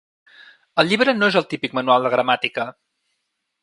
El llibre no és el típic manual de gramàtica.